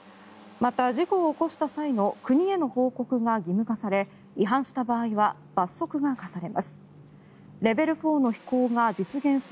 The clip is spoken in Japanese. また、事故を起こした際の国への報告が義務化され違反した場合は罰則が科されます。